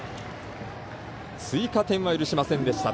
追加点は許しませんでした。